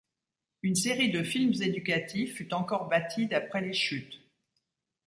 Une série de films éducatifs fut encore bâtie d'après les chutes.